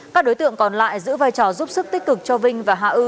các đối tượng còn lại giữ vai trò giúp sức tích cực cho vinh và hà ư